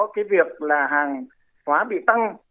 cái việc là hàng hóa bị tăng